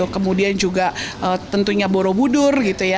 kemudian juga tentunya borobudur